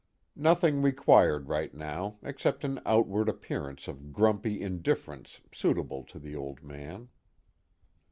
Nothing required right now except an outward appearance of grumpy indifference suitable to the Old Man.